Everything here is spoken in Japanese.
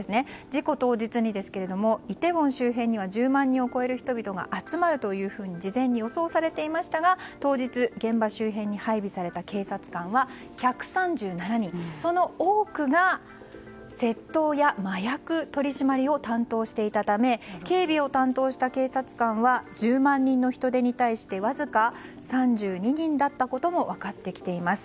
事故当日にイテウォン周辺には１０万人を超える人々が集まると事前に予想されていましたが当日、現場周辺に配備された警察官は１３７人、その多くが窃盗や麻薬取り締まりを担当していたため警備を担当した警察官は１０万人の人出に対してわずか３２人だったことも分かっています。